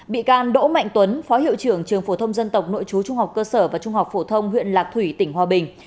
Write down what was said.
bị can đỗ mạnh tuấn phó hiệu trưởng trường phổ thông dân tộc nội chú trung học cơ sở và trung học phổ thông huyện lạc thủy tỉnh hòa bình